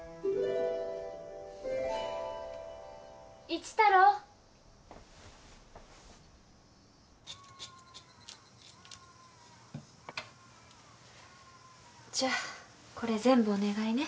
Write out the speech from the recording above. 一太郎じゃあこれ全部お願いね